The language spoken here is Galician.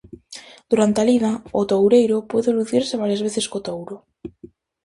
Durante a lida, o toureiro puido lucirse varias veces co touro.